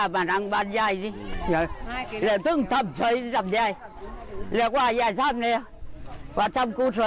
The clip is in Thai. เพื่อปฆคุก